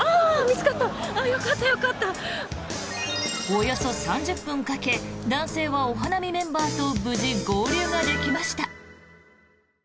およそ３０分かけ男性はお花見メンバーと無事合流ができました。